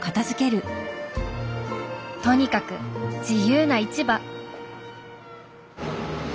とにかく自由な市場。